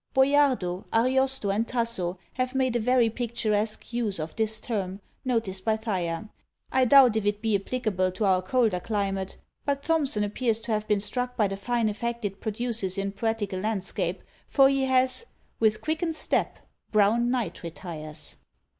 Boiardo, Ariosto and Tasso, have made a very picturesque use of this term, noticed by Thyer. I doubt if it be applicable to our colder climate; but Thomson appears to have been struck by the fine effect it produces in poetical landscape; for he has With quickened step Brown night retires.